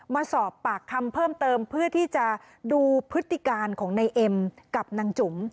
มาสอบปากคำเพิ่มเติมเพื่อที่จะดูพฤติการของนายเอ็มกับนางจุ๋ม